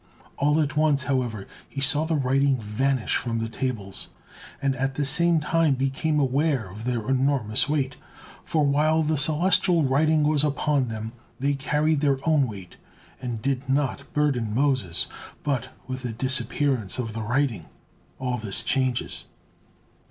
All at once, however, he saw the writing vanish from the tables, and at the same time became aware of their enormous weight; for while the celestial writing was upon them, they carried their own weight and did not burden Moses, but with the disappearance of the writing all this changes.